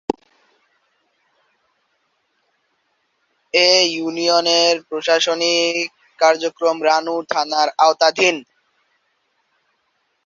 এ ইউনিয়নের প্রশাসনিক কার্যক্রম রামু থানার আওতাধীন।